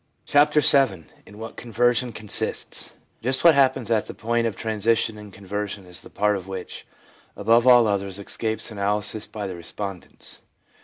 CHAPTER VII IN WHAT CONVERSION CONSISTS JUST what happens at the point of transition in con version is the part of it which, above all others, escapes analysis by the respondents.